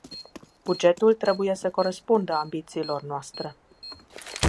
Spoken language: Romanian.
Bugetul trebuie să corespundă ambițiilor noastre.